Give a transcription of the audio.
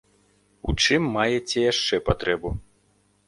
У чым маеце яшчэ патрэбу?